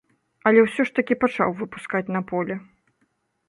Але ўсё ж такі пачаў выпускаць на поле.